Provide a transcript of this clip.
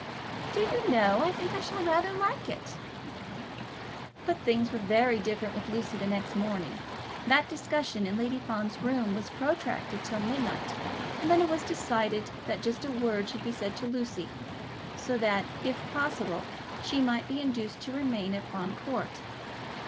"Do you know, I think I shall rather like it." But things were very different with Lucy the next morning. That discussion in Lady Fawn's room was protracted till midnight, and then it was decided that just a word should be said to Lucy, so that, if possible, she might be induced to remain at Fawn Court.